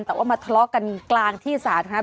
แต่ว่ามาทะเลาะกันกลางที่สาธารณะ